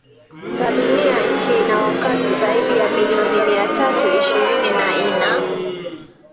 za Dunia Nchi ina wakazi zaidi ya milioni mia tatu ishirini na ina